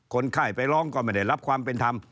คนไข้ไปร้องก็ไม่ได้รับความเป็นธรรม